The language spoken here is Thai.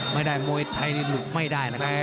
มวยไทยนี่หลุดไม่ได้นะครับ